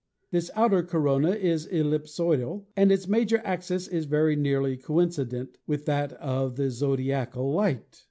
This outer corona is ellipsoidal and its major axis is very nearly coincident with that of the zodiacal light.